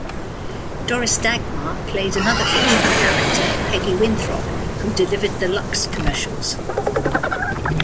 Doris Dagmar played another fictional character, Peggy Winthrop, who delivered the Lux commercials.